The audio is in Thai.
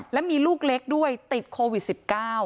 และมีลูกเล็กด้วยติดโควิด๑๙